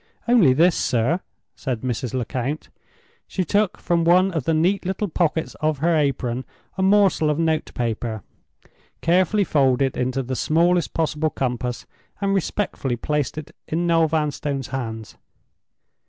"Only this, sir," said Mrs. Lecount. She took from one of the neat little pockets of her apron a morsel of note paper, carefully folded into the smallest possible compass, and respectfully placed it in Noel Vanstone's hands.